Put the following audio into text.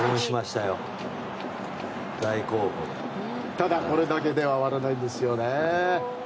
ただ、これだけでは終わらないんですよね。